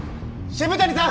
渋谷さん！